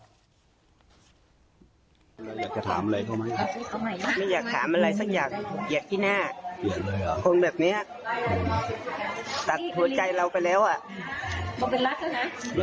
อยากถามอะไรเขาไหมครับไม่อยากถามอะไรสักอย่างเกลียดขี้หน้าคนแบบเนี้ยตัดหัวใจเราไปแล้วอ่ะ